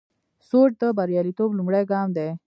سوچ د بریالیتوب لومړی ګام دی.